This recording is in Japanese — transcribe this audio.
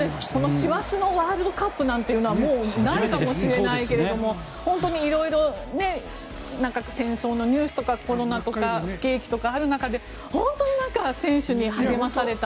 師走のワールドカップなんてないかもしれないけど本当に色々長く戦争のニュースとかコロナとか不景気とかある中で本当に選手に励まされた。